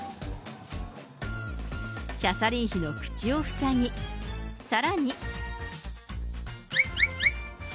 キャサリン妃の口を塞ぎ、さらに。